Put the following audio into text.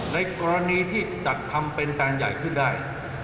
ในกรณีที่จัดทำเป็นการใหญ่ขึ้นได้